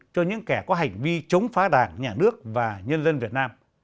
cho những kẻ có hành vi chống phá đảng nhà nước và nhân dân việt nam